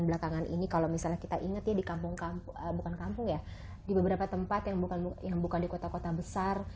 belakangan ini kalau misalnya kita ingat ya di kampung kampung bukan kampung ya di beberapa tempat yang bukan di kota kota besar